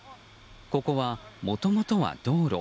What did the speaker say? ここは、もともとは道路。